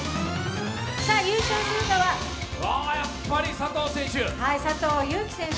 優勝するのはやっぱり佐藤選手。